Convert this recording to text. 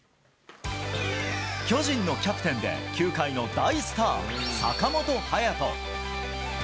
巨人のキャプテンで球界の大スター、坂本勇人。